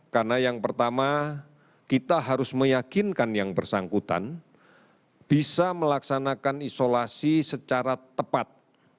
karena yang pertama kita harus meyakinkan yang bersangkutan bisa melaksanakan isolasi secara tepat